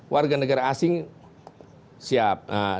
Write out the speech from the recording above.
warga negara asing siap